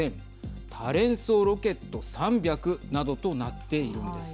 多連装ロケット３００などとなっているんです。